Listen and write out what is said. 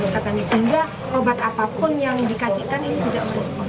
sehingga obat apapun yang dikasihkan ini tidak merespon